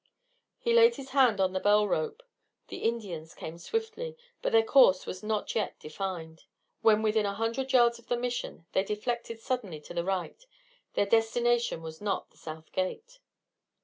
He laid his hand on the bell rope. The Indians came swiftly, but their course was not yet defined. When within a hundred yards of the Mission they deflected suddenly to the right. Their destination was not the south gate.